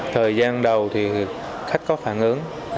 thời gian đầu thì khách có phản ứng